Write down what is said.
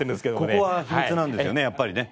ここは秘密なんですよね